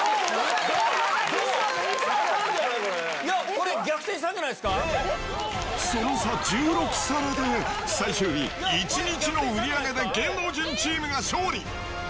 これ、逆転したんじゃないでその差１６皿で、最終日、１日の売り上げで芸能人チームが勝利。